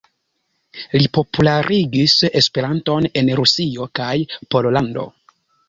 Li popularigis Esperanton en Rusio kaj Pollando.